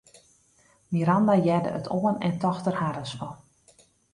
Miranda hearde it oan en tocht der harres fan.